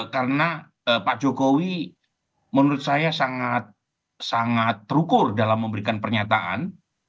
karena pak jokowi menurut saya sangat terukur dalam memberikan pernyataan